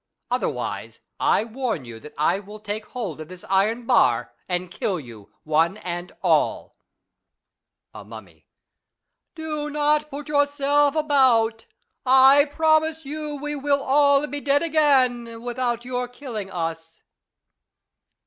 Otherwise, I warn you that I will take hold of this iron bar, and kill you, one and all. ^ See note. 112 DIALOGUE BETWEEN A Mummy. Do not put yourself about. I promise you we will all be dead again without your killing us.